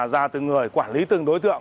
ra từ người quản lý từng đối tượng